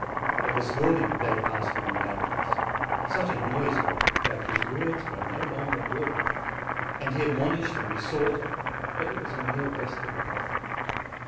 But this morning they passed all bounds. Such a noise arose, that his words were no longer audible, and he admonished and besought; but it was a mere waste of breath.